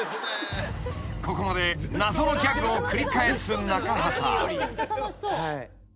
［ここまで謎のギャグを繰り返す中畑］